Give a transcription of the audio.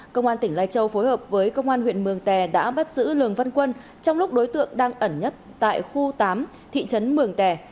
công an tỉnh lai châu phối hợp với công an huyện mường tè đã bắt giữ lường văn quân trong lúc đối tượng đang ẩn nấp tại khu tám thị trấn mường tè